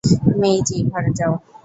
মেইজি ঘরে যাও।